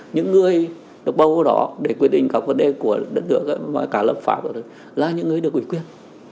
những người được bầu đó để quyết định các vấn đề của đất nước và cả lập pháp là những người được quyết quyết